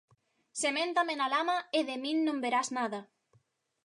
Seméntame na lama e de min non verás nada.